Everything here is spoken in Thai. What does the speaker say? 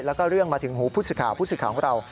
แล้วก็เรื่องมาถึงหูพุศข่าวพุศข่าวของเรา